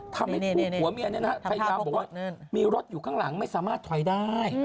ทำให้ผู้หัวเมียนี้นะฮะมีรถอยู่ข้างหลังไม่สามารถถอยได้